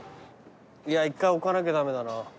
いや一回置かなきゃ駄目だな。